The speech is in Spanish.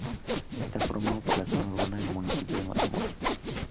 Está formado por la zona urbana del municipio de Matamoros.